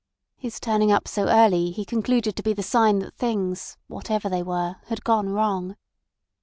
His turning up so early he concluded to be the sign that things, whatever they were, had gone wrong.